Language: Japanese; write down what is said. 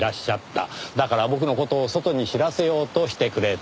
だから僕の事を外に知らせようとしてくれた。